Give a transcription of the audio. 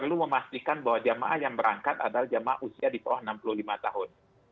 perlu memastikan bahwa jemaah yang berangkat adalah jamaah usia di bawah enam puluh lima tahun